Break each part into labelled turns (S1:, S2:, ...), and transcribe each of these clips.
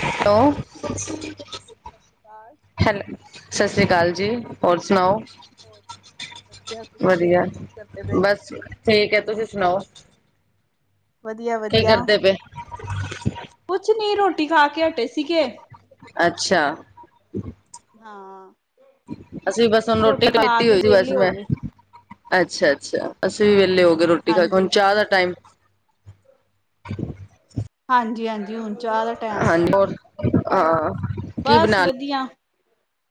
S1: Hello.
S2: ਹਾਂਜੀ, ਸਤਿ ਸ਼੍ਰੀ ਅਕਾਲ।
S1: ਹੈਲੋ ਸਤਿ ਸ਼੍ਰੀ ਅਕਾਲ ਜੀ, ਹੋਰ ਸੁਣਾਓ?
S2: ਹੋਰ ਵਧੀਆ ਤੁਸੀਂ
S1: ਵਧੀਆ,
S2: ਕੀ ਕਰਦੇ ਪਏ?
S1: ਬੱਸ ਠੀਕ ਹੈ, ਤੁਸੀਂ ਸੁਣਾਓ? ਕੀ
S2: ਵਧੀਆ-ਵਧੀਆ,
S1: ਕਰਦੇ ਪਏ
S2: ਕੁਛ ਨੀ ਰੋਟੀ ਖਾ ਕੇ ਹਟੇ ਸੀਗੇ।
S1: ਅੱਛਾ।
S2: ਹਾਂ।
S1: ਅਸੀਂ ਬਸ ਹੁਣ
S2: ਹੁਣੇ
S1: ਰੋਟੀ ਘੱਟ
S2: ਖਾ
S1: ਕੀਤੀ
S2: ਕੇ
S1: ਹੋਈ ਸੀ। ਬੱਸ
S2: ਵਿਹਲੇ ਹੋ
S1: ਮੈਂ
S2: ਗਏ।
S1: ਅੱਛਾ-ਅੱਛਾ, ਅਸੀਂ ਵੀ ਵਿਹਲੇ ਹੋ ਗਏ ਰੋਟੀ ਖਾ ਕੇ, ਹੁਣ
S2: ਹਾਂਜੀ
S1: ਚਾਹ ਦਾ ਟਾਈਮ ਹੈ।
S2: ਹਾਂਜੀ-ਹਾਂਜੀ, ਹੁਣ। ਚਾਹ ਦਾ
S1: ਹਾਂਜੀ [unintelligible]
S2: ਬੱਸ ਵਧੀਆ।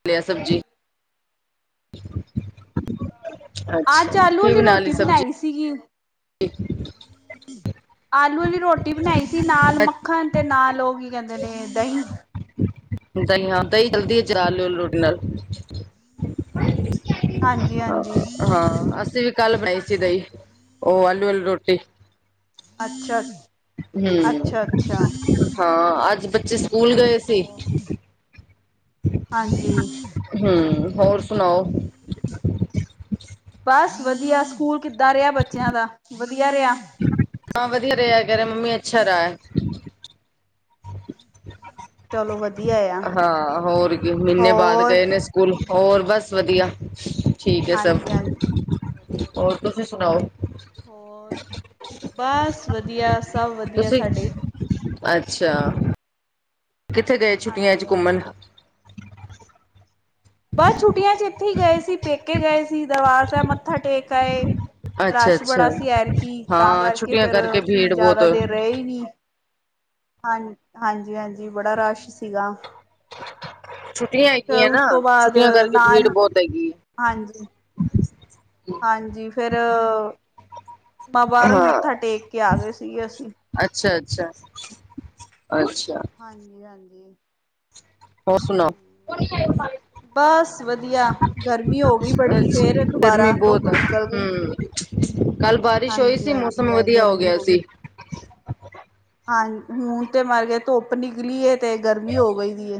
S1: ਲਿਆ ਸਬਜ਼ੀ।
S2: ਅੱਜ
S1: ਅੱਛਾ
S2: ਆਲੂ
S1: ਕੀ
S2: ਆਲੀ
S1: ਬਣਾ ਲਈ
S2: ਰੋਟੀ
S1: ਸਬਜ਼ੀ
S2: ਬਣਾਈ ਸੀਗੀ।
S1: [unintelligible]
S2: ਆਲੂ ਆਲੀ ਰੋਟੀ ਬਣਾਈ ਸੀ ਨਾਲ ਤੇ ਨਾਲ ਉਹ ਕੀ ਕਹਿੰਦੇ ਨੇ ਦਹੀ।
S1: ਦਹੀਂ ਹਾਂ ਦਹੀਂ ਚਲਦੀ ਆ ਆਲੂ ਦੀ ਰੋਟੀ ਨਾਲ।
S2: ਹਾਂਜੀ ਹਾਂਜੀ
S1: ਹਾਂ ਅਸੀਂ ਵੀ ਕੱਲ ਬਣਾਈ ਸੀ ਦਹੀ, ਉਹ ਆਲੂ ਆਲੀ ਰੋਟੀ।
S2: ਅੱਛਾ
S1: ਹਮ
S2: ਅੱਛਾ ਅੱਛਾ।
S1: ਹਾਂ ਅੱਜ ਬੱਚੇ ਸਕੂਲ
S2: ਹੂੰ
S1: ਗਏ ਸੀ।
S2: ਹੋਰ ਹਾਂਜੀ।
S1: ਹਮ ਹੋਰ ਸੁਣਾਓ।
S2: ਬਸ ਵਧੀਆ ਸਕੂਲ ਕਿੱਦਾਂ ਰਿਹਾ ਬੱਚਿਆਂ ਦਾ ਵਧੀਆ ਰਿਹਾ।
S1: ਹਾ ਵਧੀਆ ਰਿਹਾ। ਮੰਮੀ ਅੱਛਾ ਰਿਹਾ। [unintelligible]
S2: ਚਲੋ ਵਧ-
S1: ਹਾਂ, ਹੋਰ ਕੀ ਮਹੀਨੇ ਬਾਅਦ
S2: ਹੋਰ
S1: ਗਏ ਨੇ ਸਕੂਲ ਹੋਰ ਬਸ ਵਧੀਆ। ਠੀਕ ਐ ਸਭ
S2: ਹਾਂਜੀ ਹਾਂਜੀ
S1: ਹੋਰ ਤੁਸੀਂ ਸੁਣਾਓ।
S2: ਬੱਸ ਵਧੀਆ ਸਭ ਵਧੀਆ
S1: ਤੁਸੀਂ
S2: ਸਾਡੇ।
S1: ਅੱਛਾ। ਕਿੱਥੇ ਗਏ ਛੁੱਟੀਆਂ
S2: ਹਾਂਜੀ
S1: 'ਚ
S2: ਹਾਂਜੀ
S1: ਘੁੰਮਣ।
S2: ਬਸ ਛੁੱਟੀਆਂ ਚ ਇੱਥੇ ਹੀ ਗਏ ਸੀ, ਪੇਕੇ ਗਏ ਸੀ ਦਰਬਾਰ ਸਾਹਿਬ ਮੱਥਾ ਟੇਕ ਆਏ।
S1: ਅੱਛਾ
S2: ਰਸ਼
S1: ਅੱਛਾ
S2: ਬੜਾ ਸੀ ਐਰਕੀ ਤਾਂ
S1: ਹਾਂ
S2: ਕਰਕੇ
S1: ਛੁੱਟੀਆਂ
S2: ਫਿਰ ਅਸੀ
S1: ਭੀੜ ਬਹੁਤ
S2: ਜ਼ਿਆਦਾ ਦੇਰ ਰਹੇ ਹੀ ਨਹੀ। ਹਾਂ, ਹਾਂਜੀ-ਹਾਂਜੀ ਬੜਾ ਰਸ਼ ਸੀਗਾ।
S1: ਛੁੱਟੀਆਂ
S2: ਫਿਰ
S1: ਹੈਗੀਆਂ
S2: ਉਸ
S1: ਨਾ ਛੁੱਟੀਆਂ ਕਰਕੇ ਭੀੜ ਬਹੁਤ ਹੈਗੀ।
S2: ਹਾਂਜੀ-ਹਾਂਜੀ ਫਿਰ ਬਹ
S1: ਹੈ
S2: ਬਾਹਰੋਂ ਵੀ ਮੱਥਾ ਟੇਕ ਕੇ ਆ ਗਏ ਸੀਗੇ ਅਸੀ।
S1: ਅੱਛਾ-ਅੱਛਾ, ਅੱਛਾ।
S2: ਹਾਂਜੀ-ਹਾਂਜੀ।
S1: ਹੋਰ ਸੁਣਾਓ। ਅੱਜ
S2: ਬਸ ਵਧੀਆ ਗਰਮੀ ਹੋ ਗਈ ਬੜੀ ਫੇਰ
S1: ਗਰਮੀ
S2: ਦੁਬਾਰਾ
S1: ਬਹੁਤ
S2: ਧੁੱਪ
S1: ਏ,
S2: ਨਿਕਲ ਗਈ।
S1: ਹਮ। ਕੱਲ੍ਹ ਬਾਰਿਸ਼ ਹੋਈ
S2: ਹਾਂਜੀ
S1: ਸੀ ਮੌਸਮ
S2: ਹਾਂਜੀ ਅੱਜ
S1: ਵਧੀਆ ਹੋ
S2: ਗਰਮੀ
S1: ਗਿਆ
S2: ਗਈ।
S1: ਸੀ।
S2: ਹਾਂ ਹੁਣ ਤੇ ਮਰ ਗਏ ਧੁੱਪ ਨਿਕਲੀ ਏ ਤੇ ਗਰਮੀ ਹੋ ਗਈ ਦੀ ਏ।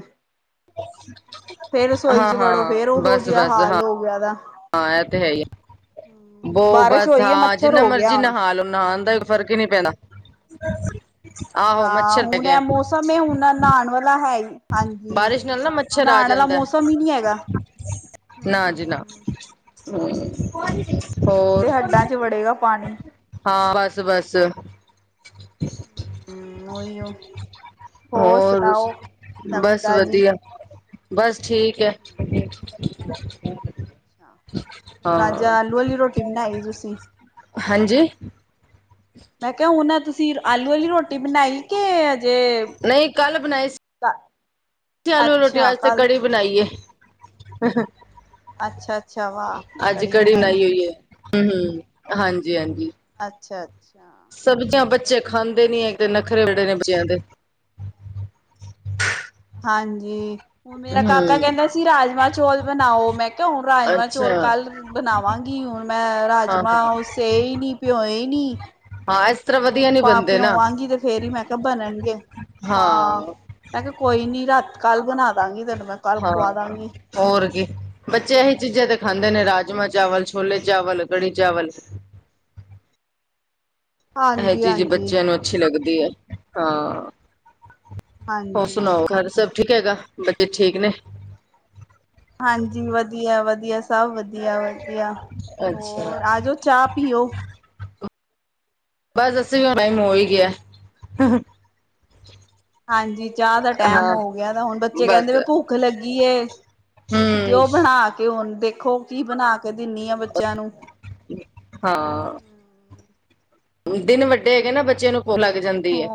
S2: ਫਿਰ ਰਸੋਈ ਚ ਵੜੋ
S1: ਹਾਂ-ਹਾਂ,
S2: ਫਿਰ ਉਹੋ ਜਿਹਾ
S1: ਬਸ-ਬਸ ਹਾਂ।
S2: ਹਾਲ ਹੋ ਗਿਆ ਐਦਾ।
S1: ਹਾਂ ਇਹ ਤੇ ਹੈ ਹੀ ਆ ਬੋ
S2: ਬਾਰਿਸ਼
S1: ਬਸ
S2: ਹੋਈ ਹੈ
S1: ਹਾਂ
S2: ਮੱਛਰ
S1: ਜਿੰਨਾ
S2: ਹੋ ਗਿਆ
S1: ਮਰਜ਼ੀ
S2: ਹੁਣ
S1: ਨਹਾ ਲਓ ਨਹਾਉਣ ਦਾ ਫਰਕ ਹੀ ਨਹੀਂ ਪੈਣਾ ਆਹੋ ਮੱਛਰ ਤੇ ਗਿਆ।
S2: ਸਮੇਂ ਉਹਨਾਂ ਨਾਲ ਨਹਾਣ ਵਾਲਾ ਹੈ ਹੀ। ਹਾਂਜੀ।
S1: ਬਾਰਿਸ਼ ਨਾਲ ਨਾ ਮੱਛਰ ਆ
S2: ਨਹਾਣ ਵਾਲਾ
S1: ਜਾਂਦਾ।
S2: ਮੌਸਮ ਹੀ ਨਹੀਂ ਹੈਗਾ। ਹੂੰ
S1: ਨਾ ਜੀ
S2: ਹੂੰ
S1: ਨਾ।
S2: ਹੂੰ।
S1: ਹੂੰ
S2: ਹੁਣ
S1: ਹੋਰ।
S2: ਤੇ ਹੱਡਾਂ ਚ ਵੜੇਗਾ ਪਾਣੀ।
S1: ਹਾਂ ਬੱਸ-ਬੱਸ।
S2: ਹਮ ਉਹੀਓ।
S1: ਹੋਰ
S2: ਨਵੀਂ
S1: ਬਸ
S2: ਤਾਜ਼ੀ।
S1: ਵਧੀਆ। ਬਸ ਠੀਕ ਐ।
S2: ਹਾਂ, ਅੱਜ ਆਲੂ ਵਾਲੀ ਰੋਟੀ ਬਣਾਈ ਤੁਸੀਂ।
S1: ਹਾਂਜੀ,
S2: ਮੈਂ ਕਿਹਾ ਹੁਣ ਤੁਸੀ ਆਲੂ ਆਲੀ ਰੋਟੀ ਬਣਾਈ। ਕਿ ਅਜੇ
S1: ਨਹੀਂ ਕੱਲ੍ਹ ਬਣਾਈ ਸੀ। ਆਲੂ ਰੋਟੀ
S2: ਅੱਛਾ
S1: ਅੱਜ ਤੇ
S2: ਕੱਲ
S1: ਕੜੀ ਬਣਾਈਏ।
S2: ਅੱਛਾ ਅੱਛਾ ਵਾਹ
S1: ਅੱਜ ਕੜੀ ਬਣਾਈ ਹੋਈ ਏ। ਹਮ, ਹਾਂਜੀ-ਹਾਂਜੀ।
S2: ਅੱਛਾ। ਅੱਛਾ।
S1: ਸਬਜ਼ੀਆਂ ਬੱਚੇ ਖਾਂਦੇ ਨੀ ਹੈਗੇ
S2: ਹੋਰ
S1: ਨਖਰੇ ਬੜੇ ਬੱਚਿਆਂ ਦੇ।
S2: ਹਾਂਜੀ। ਹੁਣ ਮੇਰਾ
S1: ਹੂੰ,
S2: ਕਾਕਾ ਕਹਿੰਦਾ ਸੀ ਰਾਜਮਾਂਹ ਚੌਲ ਬਣਾਓ ਮੈਂ ਕਿਹਾ ਹੁਣ ਰਾਜਮਾਂਹ ਚੌਲ
S1: ਅੱਛਾ।
S2: ਕੱਲ੍ਹ ਬਣਾਵਾਂਗੀ ਹੁਣ ਮੈਂ
S1: ਹਾਂ-ਹਾਂ,
S2: ਰਾਜਮਾਂ
S1: ਹਾਂ
S2: ਉਸੇ ਹੀ ਨੀ ਭਿਓਏ ਨੀ।
S1: ਹਾਂ ਇਸ ਤਰ੍ਹਾਂ
S2: ਜਦੋਂ
S1: ਵਧੀਆ
S2: ਹੁਣ
S1: ਨੀ
S2: ਭਾਂ
S1: ਬਣਦੇ ਨਾ
S2: ਭਿਉਆ ਗੀ ਤੇ ਫਿਰ ਹੀ ਮੈਂ ਕਿਹਾ ਬਣਨਗੇ ਹਾਂ। ਮੈਂ ਕਿਹਾ ਕੋਈ ਨੀ ਰਾਤ ਕੱਲ੍ਹ ਬਣਾ ਦਾਂਗੀ ਤੈਨੂੰ ਮੈਂ। ਕੱਲ ਖਵਾ
S1: ਹਾਂ।
S2: ਦਾਂਗੀ
S1: ਹੋਰ ਕੀ ਬੱਚੇ ਇਹੀ ਚੀਜ਼ਾਂ ਤੇ ਖਾਂਦੇ ਨੇ ਰਾਜਮਾਂਹ ਚਾਵਲ, ਛੋਲੇ ਚਾਵਲ, ਕੜੀ ਚਾਵਲ। ਇਹੋ
S2: ਹਾਂਜੀ
S1: ਚੀਜ਼
S2: ਹਾਂਜੀ
S1: ਬੱਚਿਆਂ ਨੂੰ ਅੱਛੀ ਲੱਗਦੀ ਐ ਹਾਂ, ਹੋਰ
S2: ਹਾਂਜੀ
S1: ਸੁਣਾਓ ਘਰ ਸਭ ਠੀਕ ਹੈਗਾ ਬੱਚੇ ਠੀਕ ਨੇ।
S2: ਹਾਂਜੀ ਵਧੀਆ, ਵਧੀਆ ਸਭ ਵਧੀਆ, ਵਧੀਆ
S1: ਅੱਛਾ,
S2: ਹੋਰ ਆਜੋ ਚਾਹ ਪੀਓ।
S1: ਬਸ ਅਸੀਂ ਵੀ ਹੁਣ ਟਾਈਮ ਹੋ ਹੀ ਗਿਆ।
S2: ਹਾਂਜੀ ਚਾਹ ਦਾ ਟਾਇਮ
S1: ਹਾਂ।
S2: ਹੋ ਗਿਆ ਹੁਣ ਬੱਚੇ ਕਹਿੰਦੇ
S1: ਬਸ
S2: ਵੀ ਭੁੱਖ ਲੱਗੀ ਐ। ਕੁਛ
S1: ਹੂੰ,
S2: ਦਿਓ ਬਣਾ ਕੇ ਹੁਣ ਦੇਖੋ ਕੀ ਬਣਾ ਕੇ ਦਿੰਨੀ ਆ ਬੱਚਿਆਂ ਨੂੰ
S1: ਹਾਂ‌। ਦਿਨ ਵੱਡੇ ਹੈਗੇ ਨਾ ਬੱਚੇ ਨੂੰ ਭੁੱਖ ਲੱਗ ਜਾਂਦੀ ਐ।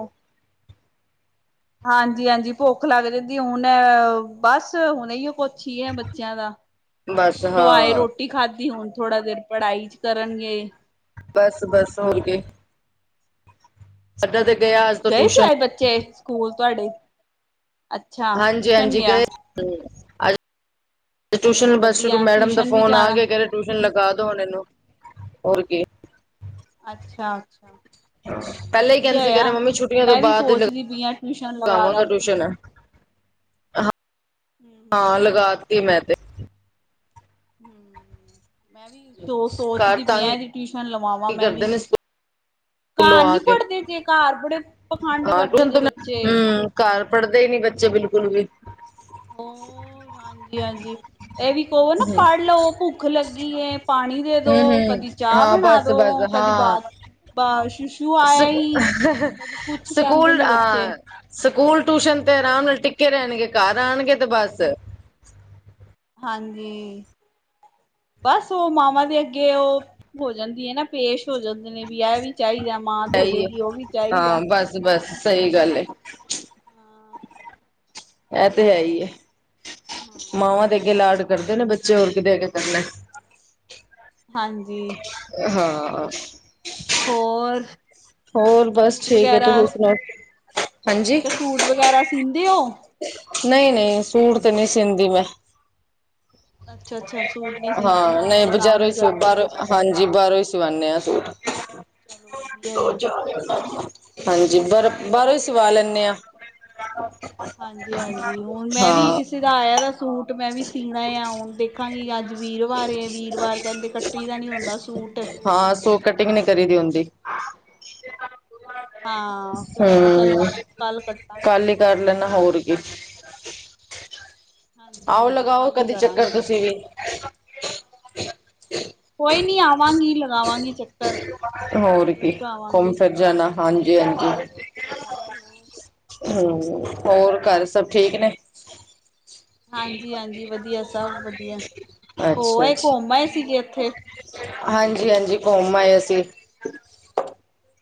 S2: ਹਾਂਜੀ, ਹਾਂਜੀ ਭੁੱਖ ਲੱਗ ਜਾਂਦੀ ਹੁਣ ਬਸ ਹੁਣ ਹੀ ਕੁਛ ਹੀ ਹੈ ਬੱਚਿਆਂ ਦਾ।
S1: ਬਸ
S2: ਸਕੂਲੋਂ ਆਏ
S1: ਹਾਂ
S2: ਰੋਟੀ ਖਾਧੀ ਹੁਣ ਥੋੜਾ ਦੇਰ ਪੜ੍ਹਾਈ ਚ ਕਰਨਗੇ।
S1: ਬਸ-ਬਸ ਹੋਰ ਕੀ। ਸਾਡਾ ਤੇ ਗਿਆ ਅੱਜ
S2: ਹੂੰ
S1: ਤੋਂ
S2: ਗਏ ਸੀ
S1: ਟਿਊਸ਼ਨ
S2: ਅੱਜ ਬੱਚੇ ਸਕੂਲ ਤੁਹਾਡੇ ਅੱਛਾ, ਟਿਊਸ਼ਨ ਗਿਆ।
S1: ਹਮ ਅੱਜ ਟਿਊਸ਼ਨ
S2: ਚਲੋ
S1: ਬਸ ਜੋ
S2: ਵਧੀਆ
S1: ਮੈਡਮ ਦਾ
S2: ਟਿਊਸ਼ਨ ਵੀ
S1: ਫੋਨ ਆ
S2: ਜਾਣਾ
S1: ਗਿਆ ਟਿਊਸ਼ਨ ਲਗਾ ਦੋ ਹੁਣ ਇਹਨੂੰ, ਹੋਰ ਕੀ।
S2: ਅੱਛਾ-ਅੱਛਾ।
S1: [inaudible] ਪਹਿਲਾਂ ਹੀ ਕਹਿੰਦੇ ਸੀ ਕੇ ਮੰਮੀ ਛੁੱਟੀਆਂ ਤੋਂ
S2: ਮੈਂ ਵੀ
S1: ਬਾਅਦ
S2: ਸੋਚਦੀ ਪਈ ਆ ਟਿਊਸ਼ਨ
S1: ਲਗਾ
S2: ਲਗਾ ਦਾ
S1: ਵਾਂਗਾ
S2: ਹੂੰ।
S1: ਟਿਊਸ਼ਨ।
S2: ਹੂੰ
S1: ਹਾਂ ਲਗਾ ਤੀ ਮੈਂ ਤੇ
S2: ਹੂੰ। ਮੈਂ ਵੀ ਸੋ
S1: ਘਰ
S2: ਸੋਚਦੀ ਪੀ ਐ
S1: ਤੰਗ
S2: ਇਹਦੀ ਟਿਊਸ਼ਨ ਲਵਾਵਾਂ
S1: ਕੀ
S2: ਮੈਂ ਵੀ।
S1: ਕਰਦੇ ਨੇ ਸਕੂਲੋਂ
S2: ਘਰ
S1: ਆ
S2: ਨੀ
S1: ਕੇ
S2: ਪੜ੍ਹਦੇ ਜੇ ਘਰ ਬੜੇ ਪਖੰਡ
S1: ਹਾਂ
S2: ਕਰਦੇ
S1: ਟਿਊਸ਼ਨ
S2: ਜੇ
S1: ਤੋਂ
S2: ਬੱਚੇ।
S1: ਹੂੰ ਘਰ ਪੜ੍ਹਦੇ ਹੀ ਨੀ ਬੱਚੇ ਬਿਲਕੁਲ ਵੀ [inaudible]
S2: ਹਾਂਜੀ-ਹਾਂਜੀ। ਇਹ ਵੀ ਕਹੋ ਨਾ ਪੜ ਲਉ ਭੁੱਖ ਲੱਗੀ ਪਾਣੀ ਦੇ
S1: ਹੂੰ
S2: ਦੋ
S1: ਹੂੰ
S2: ਕਦੀ
S1: ਹਾਂ ਬੱਸ ਬੱਗ ਹਾਂ।
S2: ਬਾ ਸ਼ਿਸ਼। ਕਹਿੰਦੇ
S1: ਸਕਕੂਲ
S2: ਨੇ
S1: ਆ
S2: ਬੱਚੇ
S1: ਸਕੂਲ ਟਿਊਸ਼ਨ ਤੇ ਆਰਾਮ ਨਾਲ ਟਿਕਕੇ ਰਹਿਣਗੇ ਘਰ ਆਉਣਗੇ ਤੇ ਬਸ
S2: ਹਾਂਜੀ, ਬਸ ਉਹ ਮਾਵਾਂ ਦੇ ਅੱਗੇ ਉਹ ਹੋ ਜਾਂਦੀ ਹੈ ਨਾ ਪੇਸ਼ ਹੋ ਜਾਂਦੇ ਨੇ ਵੀ ਇਹ ਵੀ ਚਾਹੀਦਾ ਮਾਂ ਦੇ ਦੇਗੀ ਉਹ ਵੀ ਚਾਹੀਦਾ।
S1: ਬੱਸ ਸਹੀ ਗੱਲ ਏ।
S2: ਹਾਂ
S1: ਇਹ ਤੇ ਹੈ ਹੀ
S2: ਹਾਂ
S1: ਮਾਵਾਂ ਦੇ ਅੱਗੇ
S2: ਉਹੀ
S1: ਲਾਡ ਕਰਦੇ ਨਾ ਬੱਚੇ ਹੋਰ ਕਿਦੇ ਅੱਗੇ ਕਰਨਾ।
S2: ਹਾਂਜੀ।
S1: ਹਾਂ।
S2: ਹੋਰ
S1: ਹੋਰ ਬੱਸ
S2: ਸੂਟ
S1: ਠੀਕ ਏ।
S2: ਵਗੈਰਾ
S1: ਤੁਸੀਂ ਸੁਣਾਉ?
S2: ਮੈਂ ਕਿਹਾ ਸੂਟ ਵਗੈਰਾ ਸੀਦੇ ਹੋ?
S1: ਨਹੀਂ-ਨਹੀਂ ਸੂਟ ਤਾਂ ਨਹੀਂ ਸੀਦੀ ਮੈਂ।
S2: ਅੱਛਾ-ਅੱਛਾ ਸੂਟ ਨੀ ਸੀਂਦੇ
S1: ਹਾਂ,
S2: ਘਰ
S1: ਨਹੀਂ
S2: ਦੇ ਕੰਮ
S1: ਬਜਾਰੋਂ
S2: ਹੀ
S1: ਸ
S2: ਕਰਦੇ
S1: ਬਾਹਰੋਂ
S2: ਬਸ
S1: ਹਾਂਜੀ ਬਾਹਰੋਂ ਹੀ ਸਵਾਨੇ ਹਾਂ ਸੂਟ।
S2: ਚਲੋ ਵਧੀਆ ਆ।
S1: ਹਾਂਜੀ, ਬਰ ਬਾਹਰੋਂ ਹੀ ਸਵਾ ਲੈਣੇ ਆ। [inaudible]
S2: ਹਾਂਜੀ-ਹਾਂਜੀ। ਹੁਣ ਮੈਂ ਵੀ
S1: ਹਾਂ
S2: ਕਿਸੇ ਦਾ ਆਇਆ ਦਾ ਸੂਟ ਮੈਂ ਵੀ ਸੀਣਾ ਆ ਹੁਣ ਦੇਖਾਂਗੀ ਅੱਜ ਵੀਰਵਾਰ ਏ, ਵੀਰਵਾਰ ਕਹਿੰਦੇ ਕੱਟੀ ਦਾ ਨੀ ਹੁੰਦਾ ਸੂਟ।
S1: ਹਾਂ ਸੋ ਕਟਿੰਗ ਨੀ ਕਰੀਦੀ ਹੁੰਦੀ।
S2: ਹਾਂ, ਫਿਰ ਮੈਂ ਕਿਹਾ ਚਲੋ
S1: ਹਮ
S2: ਕੱਲ ਕੱਟਾ।
S1: ਕੱਲ ਹੀ ਕਰ ਲੈਨਾ ਹੋਰ ਕੀ। ਆਓ,
S2: ਹਾਂਜੀ-ਹਾਂਜੀ
S1: ਲਗਾਓ
S2: ਕੱਲ ਹੀ
S1: ਕਦੀ ਚੱਕਰ ਤੁਸੀਂ
S2: ਕਰਾਂਗੇ
S1: ਵੀ।
S2: ਕੋਈ ਨੀ ਆਵਾਂਗੀ, ਲਗਾਵਾਂਗੀ ਚੱਕਰ।
S1: ਹੋਰ ਕੀ
S2: ਜ਼ਰੂਰ
S1: ਘੁੰਮ
S2: ਆਵਾਂਗੇ
S1: ਫਿਰ ਜਾਣਾ ਹਾਂਜੀ-ਹਾਂਜੀ।
S2: [inaudible]
S1: ਹਮ,
S2: ਵਧੀਆ ਆ।
S1: ਹੋਰ ਘਰ ਸਭ ਠੀਕ ਨੇ।
S2: ਹਾਂਜੀ-ਹਾਂਜੀ ਵਧੀਆ ਸਭ ਵਧੀਆ। ਹੋਅ ਏ ਘੁੰਮ ਆਏ ਸੀਗੇ ਇੱਥੇ?
S1: ਹਾਂਜੀ-ਹਾਂਜੀ ਘੁੰਮ ਆਏ ਅਸੀ।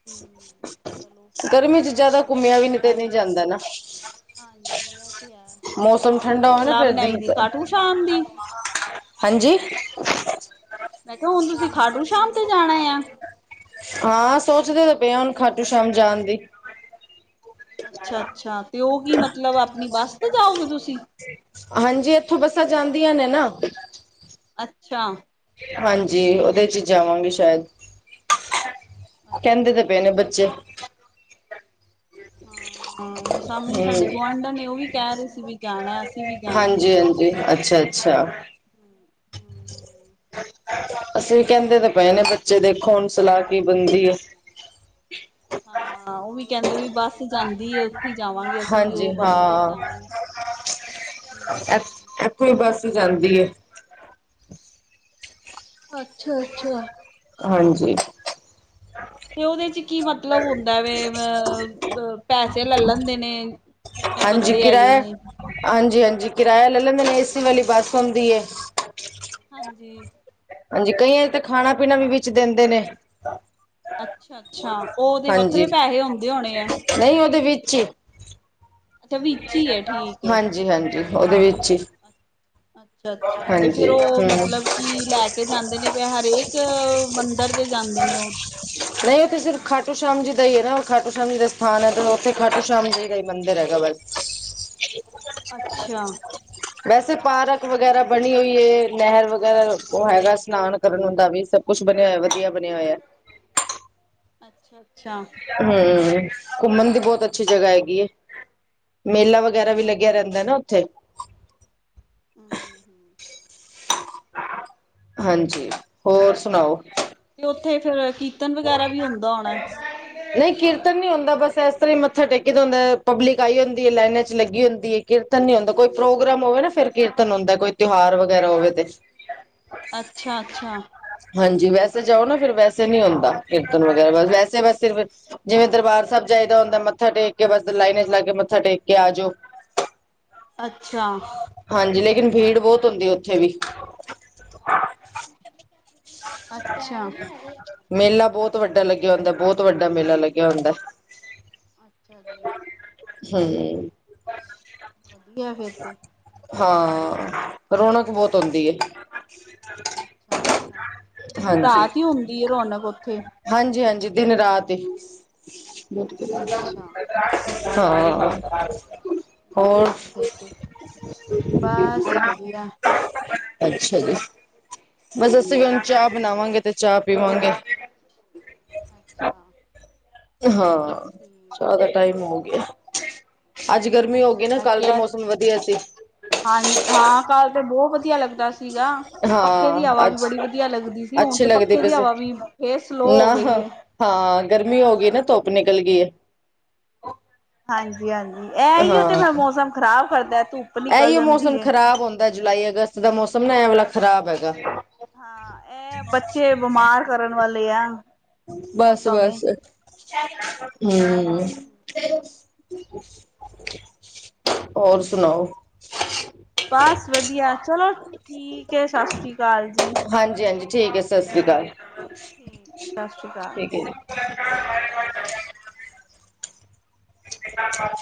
S2: ਹਮ ਚਲੋ
S1: ਗਰਮੀ 'ਚ ਜਿਆਦਾ ਘੁੰਮਿਆ ਵੀ ਨਹੀਂ ਤੇ ਨਹੀਂ ਜਾਂਦਾ ਨਾ।
S2: ਹਾਂਜੀ, ਇਹ ਤੇ ਏ ਹੁਣ
S1: ਮੌਸਮ
S2: ਤੁਸੀਂ
S1: ਠੰਡਾ ਹੋਵੇ ਨਾ
S2: ਸਲਾਹ
S1: ਫਿਰ
S2: ਬਣਾਈ
S1: ਦਿਨ
S2: ਦੀ ਕਾਟ ਸ਼ਾਮ ਦੀ।
S1: ਹਾਂਜੀ।
S2: ਮੈਂ ਕਿਹਾ, ਹੁਣ ਤੁਸੀਂ ਖਾਟੂ ਸ਼ਾਮ ਤੇ ਜਾਣਾ ਆ।
S1: ਹਾਂ ਸੋਚਦੇ ਤਾਂ ਪਏ ਹੁਣ ਖਾਟੂ ਸ਼ਾਮ ਜਾਣ ਦੀ।
S2: ਅੱਛਾ-ਅੱਛਾ ਤੇ ਉਹ ਕੀ ਮਤਲਬ ਆਪਣੀ ਬੱਸ ਤੇ ਜਾਓਗੇ ਤੁਸੀ?
S1: ਹਾਂਜੀ, ਇੱਥੋਂ ਬੱਸਾਂ ਜਾਂਦੀਆਂ ਨੇ ਨਾ।
S2: ਅੱਛਾ।
S1: ਹਾਂਜੀ, ਉਹਦੇ ਚ ਜਾਵਾਂਗੇ ਸ਼ਾਇਦ।
S2: ਅੱਛਾ
S1: ਕਹਿੰਦੇ ਤੇ ਪਏ
S2: ਅੱਛਾ
S1: ਨੇ ਬੱਚੇ।
S2: ਹਾਂ ਸਾਹਮਣੇ ਸਾਡੇ
S1: ਹਮ
S2: ਗੁਆਂਢਾਂ ਨੇ ਉਹ ਵੀ ਕਹਿ ਰਹੇ ਸੀ ਵੀ ਜਾਣਾ ਅਸੀਂ ਵੀ ਜਾਣਾ।
S1: ਅੱਛਾ-ਅੱਛਾ।
S2: [inaudible] [inaudible]
S1: ਅਸੀ ਵੀ ਕਹਿੰਦੇ ਤਾਂ ਪਏ ਨੇ ਬੱਚੇ ਦੇਖੋ ਹੁਣ ਸਲਾਹ ਕੀ ਬਣਦੀ ਐ।
S2: ਹਾਂ ਉਹ ਵੀ ਕਹਿੰਦੇ ਵੀ ਬੱਸ ਜਾਂਦੀ ਏ। ਉੱਥੇ ਜਾਵਾਂਗੇ ਅਸੀਂ ਵੀ ਉਹ
S1: ਹਾਂਜੀ
S2: ਬੱਸ ਤੇ ਹੀ
S1: ਹਾਂ
S2: ਜਾਗੇ। ਹਮ-ਹਮ।
S1: ਕੋਈ ਬੱਸ ਜਾਂਦੀ ਐ।
S2: ਅੱਛਾ-ਅੱਛਾ।
S1: ਹਾਂਜੀ।
S2: ਤੇ ਉਹਦੇ ਚ ਕੀ ਮਤਲਬ ਹੁੰਦਾ ਵ ਅ ਪੈਸੇ ਲੈ ਲੈਂਦੇ ਨੇ। ਜਿੰਨੇ
S1: ਹਾਂਜੀ,
S2: ਬੰਦੇ ਹੈਗੇ
S1: ਕਿਰਾਇਆ
S2: ਨੇ
S1: ਹਾਂਜੀ-ਹਾਂਜੀ ਕਿਰਾਇਆ ਲੈ ਲੈਦੇ ਨੇ ਏਸੀ ਵਾਲੀ ਬਸ ਹੁੰਦੀ ਐ।
S2: ਹਾਂਜੀ।
S1: ਹਾਂਜੀ, ਕਈਆਂ ਚ ਤੇ ਖਾਣਾ-ਪੀਣਾ ਵੀ ਵਿੱਚ ਦਿੰਦੇ ਨੇ।
S2: ਅੱਛਾ ਅੱਛਾ ਉਹ ਉਹਦੇ
S1: ਹਾਂਜੀ,
S2: ਵੱਖਰੇ ਪੈਸੇ ਹੁੰਦੇ ਹੋਣੇ ਆ
S1: ਨਹੀਂ ਉਹਦੇ ਵਿੱਚ ਹੀ।
S2: ਅੱਛਾ ਵਿੱਚ ਹੀ ਹੈ ਠੀਕ ਹੈ
S1: ਹਾਂਜੀ-ਹਾਂਜੀ। ਉਹਦੇ ਵਿੱਚ ਈ।
S2: ਅੱਛਾ-ਅੱਛਾ ਤੇ ਫਿਰ ਉਹ
S1: ਹੂੰ
S2: ਮਤਲਬ ਕੀ ਲੈ ਕੇ ਜਾਂਦੇ ਨੇ ਵੀ ਹਰੇਕ ਮੰਦਿਰ ਤੇ ਜਾਂਦੇ ਨੇ ਉਹ
S1: ਨਹੀਂ ਉੱਥੇ ਸਿਰਫ ਖਾਟੂ ਸ਼ਾਮ ਜੀ ਦਾ ਈ ਐ ਨਾ ਖਾਟੂ ਸ਼ਾਮ ਜੀ ਦਾ ਸਥਾਨ ਐ ਉਥੇ ਖਾਟ ਸ਼ਾਮ ਜੀ ਗ ਮੰਦਿਰ ਹੈਗਾ ਵ
S2: ਅੱਛਿਆ।
S1: ਵੈਸੇ ਪਾਰਕ ਵਗੈਰਾ ਬਣੀ ਹੋਈ ਐ, ਨਹਿਰ ਵਗੈਰਾ, ਉਹ ਹੈਗਾ ਸਸ਼ਨਾਨ ਕਰਨ ਦਾ ਵੀ ਸਭ ਕੁਝ ਬਣਿਆ ਹੋਇਆ, ਵਧੀਆ ਬਣਿਆ ਹੋਇਆ।
S2: ਅੱਛਾ-ਅੱਛਾ।
S1: ਹਮ, ਘੁੰਮਣ ਦੀ ਬਹੁਤ ਅੱਛੀ ਜਗ੍ਹਾ ਹੈਗੀ ਐ ਮੇਲਾ ਵਗੈਰਾ ਵੀ
S2: ਅੱਛਾ
S1: ਲੱਗਿਆ ਰਹਿੰਦਾ ਹੈ ਨਾ ਉੱਥੇ
S2: ਹਮ, ਹਮ-ਹਮ।
S1: ਹਾਂਜੀ, ਹੋਰ ਸੁਣਾਓ?
S2: ਤੇ ਉੱਥੇ ਫੇਰ, ਕੀਰਤਨ ਵਗੈਰਾ ਵੀ ਹੁੰਦਾ ਹੋਣਾ?
S1: ਨਹੀਂ ਕੀਰਤਨ ਨੀ ਹੁੰਦਾ ਬੱਸ ਇਸ ਤਰ੍ਹਾਂ ਹੀ ਮੱਥਾ ਟੇਕ ਦਾ ਹੁੰਦਾ, ਪਬਲਿਕ ਆਈ ਹੁੰਦੀ ਐ ਲੈਨਾਂ ਚ ਲੱਗੀ ਹੁੰਦੀ ਐ। ਕੀਰਤਨ ਨੀ ਹੁੰਦਾ, ਕੋਈ ਪ੍ਰੋਗਰਾਮ ਹੋਵੇ, ਨਾ ਫਿਰ ਕੀਰਤਨ ਹੁੰਦਾ ਕੋਈ ਤਿਉਹਾਰ ਵਗੈਰਾ ਹੋਵੇ ਤੇ
S2: ਅੱਛਾ-ਅੱਛਾ।
S1: ਹਾਂਜੀ, ਵੈਸੇ ਜਾਓ ਨਾ ਫਿਰ ਵੈਸੇ ਨੀ ਹੁੰਦਾ, ਕੀਰਤਨ ਵਗੈਰਾ ਵੈਸੇ ਬੱਸ ਜਿਵੇਂ ਦਰਬਾਰ ਸਹਿਬ ਜਾਈਦਾ ਹੁੰਦਾ ਮੱਥਾ ਟੇਕ ਕੇ ਬੱਸ ਲਾਈਨ 'ਚ' ਲਾ ਕੇ ਮੱਥਾ ਟੇਕ ਆਜੋ।
S2: ਅੱਛਾ।
S1: ਹਾਂਜੀ, ਲੇਕਿਨ ਭੀੜ ਬਹੁਤ ਹੁੰਦੀ ਐ ਉੱਥੇ ਵੀ
S2: ਅੱਛਾ।
S1: ਮੇਲਾ ਬਹੁਤ ਵੱਡਾ ਲੱਗਿਆ ਹੁੰਦਾ, ਬਹੁਤ ਵੱਡਾ ਮੇਲਾ ਲੱਗਿਆ ਹੁੰਦਾ
S2: ਅੱਛਾ ਜੀ।
S1: ਹਮ।
S2: ਵਧੀਆ ਫੇਰ ਤੇ
S1: ਹਾਂ, ਰੌਣਕ ਬਹੁਤ ਹੁੰਦੀ ਐ। ' [inaudible]
S2: ਅੱਛਾ-ਅੱਛਾ, ਦਿਨ ਰਾਤ ਈ ਹੁੰਦੀ ਐ ਰੌਣਕ ਉੱਥੇ
S1: ਹਾਂਜੀ-ਹਾਂਜੀ ਦਿਨ ਰਾਤ ਈ
S2: ਅੱਛਾ ਅੱਛਾ
S1: ਹਾਂ ਹੋਰ
S2: ਵਧੀਆਂ ਆ ' [unintelligible] ' ਤੇ ਬਾਸ ਵਧੀਆਂ
S1: ਅੱਛਾ ਜੀ ਬੱਸ
S2: ਹਾਂਜੀ
S1: ਅਸੀਂ ਵੀ ਹੁਣ ਚਾਹ
S2: ਹਾਂਜੀ
S1: ਬਣਾਵਾਂਗੇ ਤੇ ਚਾਹ ਪੀਵਾਂਗੇ।
S2: ਅੱਛਾ।
S1: ਏ ਹਾਂ ਚਾਹ ਦਾ
S2: ਠੀਕ ਹੈ
S1: ਟਾਈਮ ਹੋ ਗਿਆ, ਅੱਜ ਗਰਮੀ ਹੋ ਗਈ ਨਾ ਕੱਲ੍ਹ ਤੇ ਮੌਸਮ ਵਧੀਆਂ ਸੀ
S2: ਹਾਂ-ਹਾਂ ਕੱਲ੍ਹ ਤੇ ਬਹੁਤ ਵਧੀਆਂ ਲੱਗਦਾ ਸੀਗਾ ਪੱਖੇ ਦੀ
S1: ਹਾਂ
S2: ਹਵਾ ਵੀ
S1: ਅੱਜ
S2: ਬੜੀ ਵਧੀਆਂ ਲੱਗਦੀ ਸੀ ਹੁਣ
S1: ਅੱਛੇ
S2: ਤੇ
S1: ਲੱਗਦੇ
S2: ਪੱਖੇ
S1: ਪਏ
S2: ਦੀ
S1: ਸੀ
S2: ਹਵਾ ਵੀ ਇਹ ਸਲੋਅ ਹੋ
S1: ਨਾ
S2: ਗਈ ਐ
S1: ਹਾਂ, ਗਰਮੀ ਹੋ ਗਈ ਐ ਨਾ ਧੁੱਪ ਨਿਕਲ਼ ਗਈ ਐ
S2: ਹਾਂਜੀ-ਹਾਂਜੀ ਐ ਹੀ ਉਹ ਤੇ
S1: ਹਾਂ
S2: ਫ਼ਿਰ ਮੌਸਮ ਖ਼ਰਾਬ ਕਰਦਾ, ਧੁੱਪ ਨਿਕਲ ਜਾਂਦੀ ਏ
S1: ਦਾ ਜੁਲਾਈ, ਅਗਸਤ ਦਾ ਮੌਸਮ ਨਾ ਐ ਵਾਲਾ ਖ਼ਰਾਬ ਹੈਗਾ
S2: ਹਾਂ, ਇਹ ਬੱਚੇ ਬਿਮਾਰ ਕਰਨ ਵਾਲੇ ਆ ਮੌਸਮ ਏ
S1: ਬੱਸ-ਬੱਸ ਹੁਊ ਔਰ ਸੁਣਾਓ
S2: ਬੱਸ ਵਧੀਆਂ, ਚਲੋ ਠੀਕ ਐ ਸੱਸ ਸ੍ਰੀ ਕਾਲ ਜੀ
S1: ਹਾਂਜੀ-ਹਾਂਜੀ। ਠੀਕ ਏ ਸਸ ਸ਼੍ਰੀ ਕਾਲ।
S2: ਠੀ-ਠੀਕ ਸਸਸ਼੍ਰੀ ਕਾਲ
S1: [inaudible]